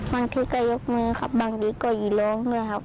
บางทีก็ยกมือครับบางทีก็หยิลงนะครับ